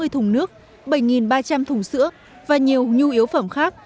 bốn bảy trăm tám mươi thùng nước bảy ba trăm linh thùng sữa và nhiều nhu yếu phẩm khác